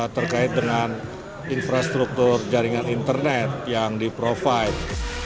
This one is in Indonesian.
terkait dengan infrastruktur jaringan internet yang di provide